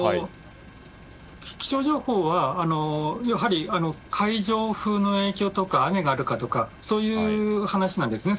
やはり海上風の影響とか雨があるかとかそういう話なんですね。